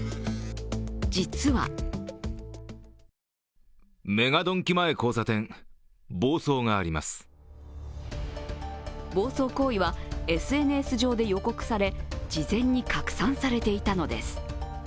実は暴走行為はＳＮＳ上で予告され、事前に拡散されていたのです。